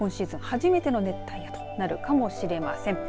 初めての熱帯夜となるかもしれません。